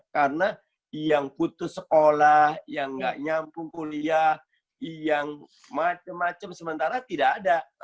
karena yang putus sekolah yang nggak nyambung kuliah yang macam macam sementara tidak ada